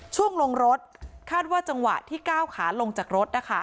ช่วงลงรถคาดว่าจังหวะที่ก้าวขาลงจากรถนะคะ